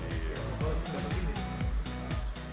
tapi menggunakan klepot lokal yang disebut gentong